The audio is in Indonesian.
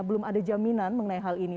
belum ada jaminan mengenai hal ini